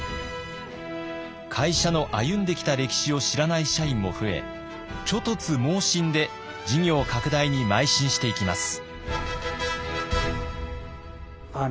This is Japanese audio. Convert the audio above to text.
会社の歩んできた歴史を知らない社員も増え猪突猛進で事業拡大にまい進していきます。